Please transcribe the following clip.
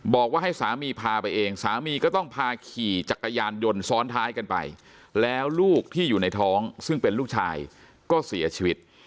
บอกว่าให้สามีพาไปเองสามีก็ต้องพาขี่จักรยานยนต์ซ้อนท้ายกันไปแล้วลูกที่อยู่ในท้องซึ่งเป็นลูกชายก็เสียชีวิต